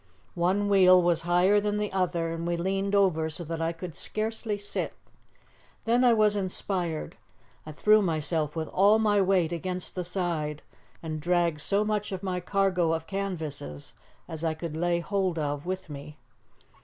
One wheel was higher than the other, and we leaned over so that I could scarcely sit. Then I was inspired. I threw myself with all my weight against the side, and dragged so much of my cargo of canvases as I could lay hold of with me.